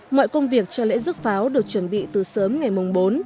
mọi công việc cho lễ rước pháo được chuẩn bị từ sớm ngày mùng bốn